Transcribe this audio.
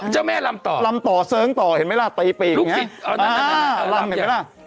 เจ้าแม่ลำต่อลำต่อเสริงต่อเห็นไหมล่ะตีปีกลูกศิษย์ลำใช่ไหมล่ะ